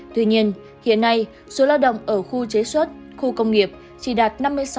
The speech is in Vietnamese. tuy nhiên hiện nay số lao động ở khu chế xuất khu công nghiệp chỉ đạt năm mươi sáu